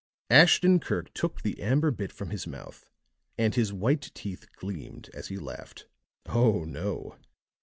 Ashton Kirk took the amber bit from his mouth and his white teeth gleamed as he laughed. "Oh, no!